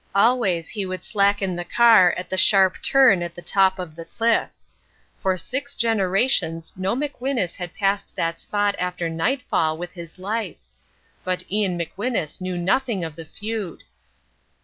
Always he would slacken the car at the sharp turn at the top of the cliff. For six generations no McWhinus had passed that spot after nightfall with his life. But Ian McWhinus knew nothing of the feud.